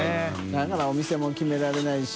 だからお店も決められないし。